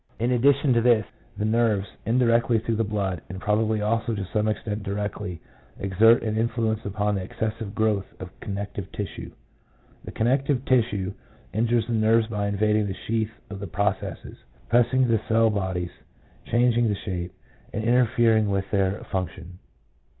In addition to this, the nerves, in directly through the blood, and probably also to some extent directly, exert an influence upon the excessive growth of connective tissue. The con nective tissue injures the nerves by invading the sheath of the processes, pressing the cell bodies, changing the shape, and interfering with their func tion.